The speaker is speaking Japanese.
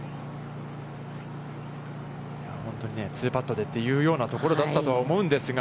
本当に２パットで、というところだったと思うんですが。